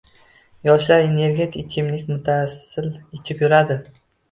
yoshlar energetik ichimlikni muttasil ichib yuradi